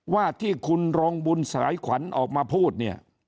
ว่าที่คุณรองบุญสายขวัญออกมาพูดเนี่ย